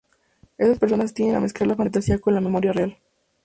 Estas personas tienden a mezclar la fantasía con la memoria real.